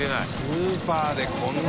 スーパーでこんな。